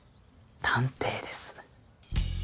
探偵です。